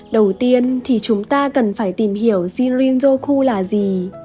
đầu tiên thì chúng ta cần phải tìm hiểu shinrin joku là gì